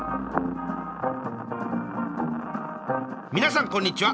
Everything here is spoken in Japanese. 皆さんこんにちは。